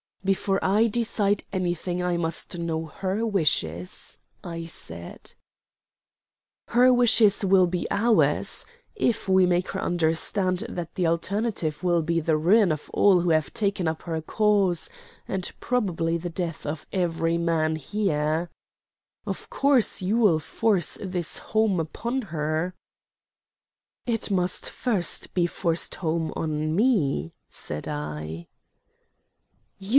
"Before I decide anything I must know her wishes," I said. "Her wishes will be ours if we make her understand that the alternative will be the ruin of all who have taken up her cause, and probably the death of every man here. Of course you'll force this home upon her?" "It must first be forced home on me," said I.